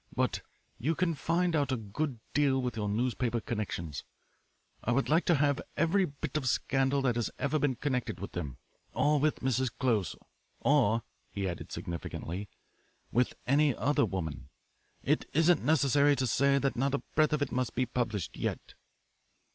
But you can find out a good deal with your newspaper connections. I would like to have every bit of scandal that has ever been connected with them, or with Mrs. Close, or," he added significantly, "with any other woman. It isn't necessary to say that not a breath of it must be published yet."